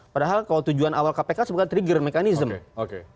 padahal kalau tujuan awal kpk sebenarnya trigger mekanisme